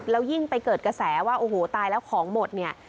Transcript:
แล้วยิ่งไปเกิดกระแสว่าโอ้โหตายแล้วของหมดเนี่ย